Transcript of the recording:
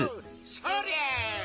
そりゃ！